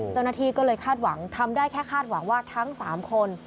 เจ้าหน้าที่ก็เลยคาดหวังทำได้แค่คาดหวังว่าทั้ง๓คน